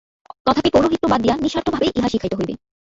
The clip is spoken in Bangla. তথাপি পৌরোহিত্য বাদ দিয়া নিঃস্বার্থভাবেই ইহা শিখাইতে হইবে।